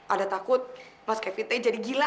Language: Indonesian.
ada takut mas kevita jadi gila